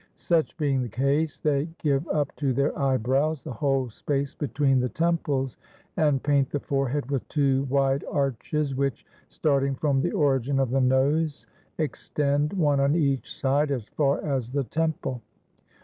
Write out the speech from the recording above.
Such being the case, they give up to their eyebrows the whole space between the temples, and paint the forehead with two wide arches, which, starting from the origin of the nose, extend, one on each side, as far as the temple.